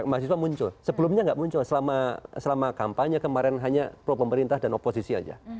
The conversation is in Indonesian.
mahasiswa muncul sebelumnya nggak muncul selama kampanye kemarin hanya pro pemerintah dan oposisi saja